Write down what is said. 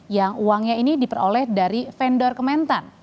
yang uangnya ini diperoleh dari vendor kementan